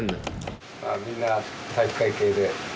みんな体育会系で。